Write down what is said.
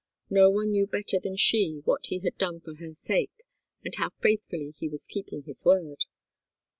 No one knew better than she what he had done for her sake, and how faithfully he was keeping his word.